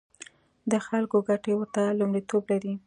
د خلکو ګټې ورته لومړیتوب لري.